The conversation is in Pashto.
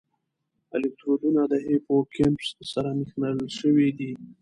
الکترودونه د هیپوکمپس سره نښلول شوي دي.